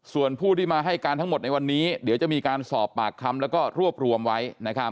ส่วนผู้ที่มาให้การทั้งหมดในวันนี้เดี๋ยวจะมีการสอบปากคำแล้วก็รวบรวมไว้